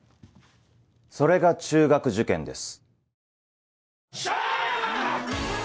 それが中学受験です。